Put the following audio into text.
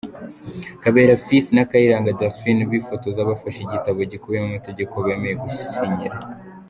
Kabera Fils na Kayirangwa Delphine bifotoza bafashe igitabo gikubiyemo amategeko bemeye gusinyira.